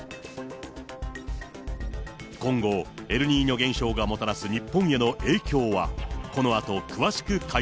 今後、エルニーニョ現象がもたらす日本への影響は。